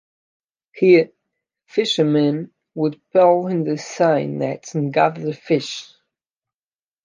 Here, fishermen would pull in their seine nets and gather the fish.